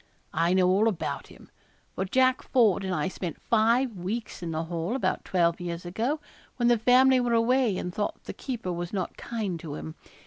I know all about him; for Jack Ford and I spent five weeks in the Hall, about twelve years ago, when the family were away and thought the keeper was not kind to him.